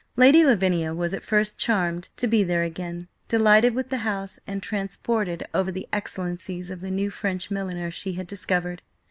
Lady Lavinia was at first charmed to be there again; delighted with the house, and transported over the excellencies of the new French milliner she had discovered.